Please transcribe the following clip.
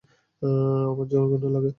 আমার জঘন্য লাগে।